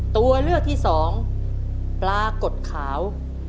ตัวเลือกที่สองปลากดขาว